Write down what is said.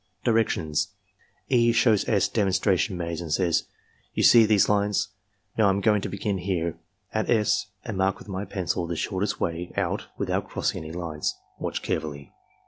Directions. — E. shows S. demonstration maze and says: " You see these lines. Now, I am going to begin here at S and mark with my pencil the shortest way out without crossing any lines. Watch carefully."